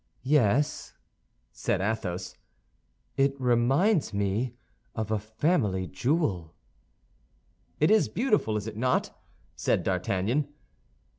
"Yes," said Athos, "it reminds me of a family jewel." "It is beautiful, is it not?" said D'Artagnan.